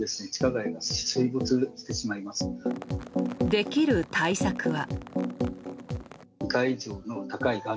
できる対策は。